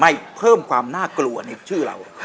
ไม่เพิ่มความน่ากลัวในชื่อเรา